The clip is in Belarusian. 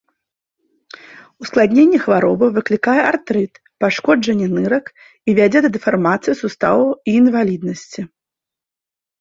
Ускладненне хваробы выклікае артрыт, пашкоджанне нырак і вядзе да дэфармацыі суставаў і інваліднасці.